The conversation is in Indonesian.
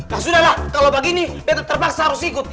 nah sudah lah kalau begini terpaksa harus ikut